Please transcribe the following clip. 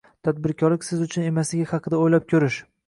Tadbirkorlik siz uchun emasligi haqida oʻylab koʻrish...